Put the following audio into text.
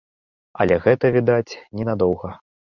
Але гэта, відаць, ненадоўга.